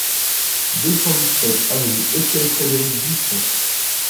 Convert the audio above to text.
deux cent dix-sept avenue Étienne-Frédéric Bouisson